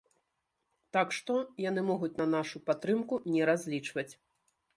Так што, яны могуць на нашу падтрымку не разлічваць.